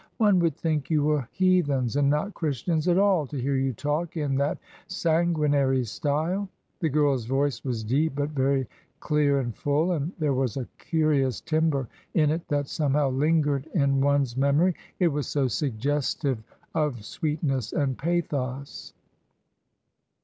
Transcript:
One would think you were heathens, and not Christians at all, to hear you talk in that sanguinary style." The girl's voice was deep, but very clear and full, and there was a curious timbre in it that somehow lingered in one's memory it was so suggestive of sweetness and pathos.